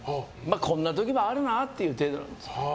こんな時もあるなっていう程度なんですよ。